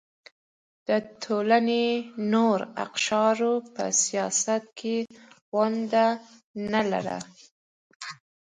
د ټولنې نورو اقشارو په سیاست کې ونډه نه لرله.